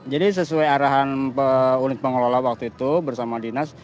jadi sesuai arahan unit pengelola waktu itu bersama dinas